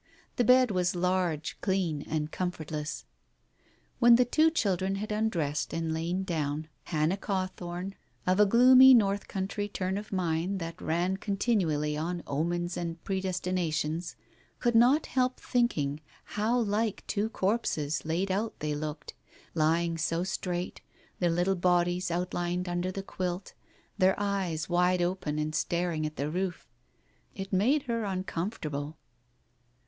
The bed was large, clean and comfortless. When the two children had undressed and lain down, Digitized by Google THE BAROMETER 227 Hannah Cawthorne, of a gloomy North Country turn of mind that ran continually on omens and predestina tions, could not help thinking how like two corpses laid out they looked, lying so straight, their little bodies out lined under the quilt, their eyes wide open and staring at the roof. It made her uncomfortable.